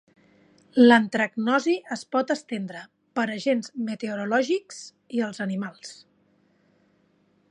L'antracnosi es pot estendre per agents meteorològics i els animals.